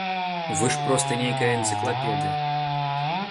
Вы ж проста нейкая энцыклапедыя.